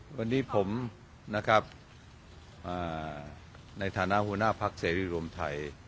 วันนี้ผมนะครับอ่าในฐานะหัวหน้าภักษ์เศรษฐรีย์รวมไทย